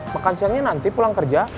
makan siangnya nanti pulang kerja